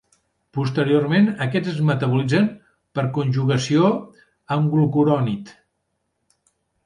Posteriorment aquests es metabolitzen per conjugació amb glucurònid.